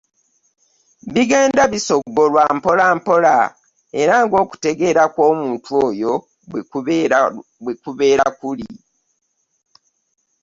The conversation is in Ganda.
Bigenda bisoggolwa mpola mpola era ng’okutegeera kw’omuntu oyo bwe kubeera kuli.